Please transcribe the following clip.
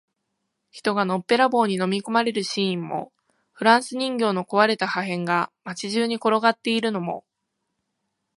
人がのっぺらぼうに飲み込まれるシーンも、フランス人形の壊れた破片が街中に転がっているのも、